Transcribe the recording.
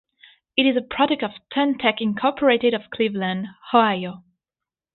It is a product of Stun Tech Incorporated of Cleveland, Ohio.